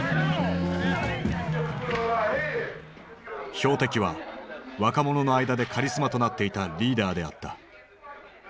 標的は若者の間でカリスマとなっていたリーダーであった。